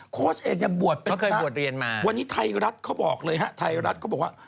โค้ชเอกเนี่ยบวชเป็นวันนี้ไทยรัฐเขาบอกเลยฮะไทยรัฐเขาบอกว่า